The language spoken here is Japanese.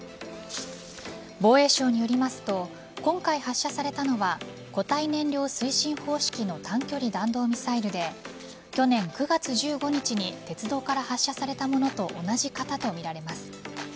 防衛省によりますと今回発射されたのは固体燃料推進方式の短距離弾道ミサイルで去年９月１５日に鉄道から発射されたものと同じ型とみられます。